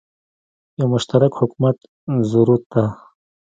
یو مشترک حکومت زوروت ده